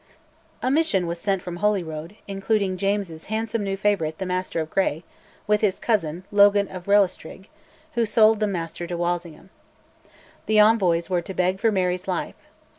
A mission was sent from Holyrood, including James's handsome new favourite, the Master of Gray, with his cousin, Logan of Restalrig, who sold the Master to Walsingham. The envoys were to beg for Mary's life.